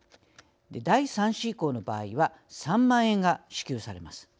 第３子以降の場合は３万円が支給されます。